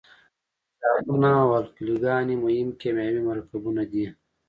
تیزابونه او القلي ګانې مهم کیمیاوي مرکبونه دي.